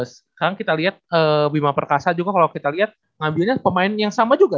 sekarang kita lihat bima perkasa juga kalau kita lihat ngambilnya pemain yang sama juga